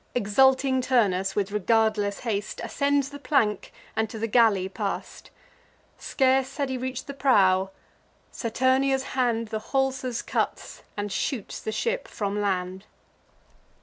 Exulting Turnus, with regardless haste, Ascends the plank, and to the galley pass'd. Scarce had he reach'd the prow: Saturnia's hand The haulsers cuts, and shoots the ship from land.